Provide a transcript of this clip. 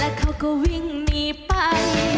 เขาก็วิ่งหนีไป